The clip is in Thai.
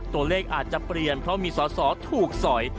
อาจจะเปลี่ยนเพราะมีสอสอถูกสอย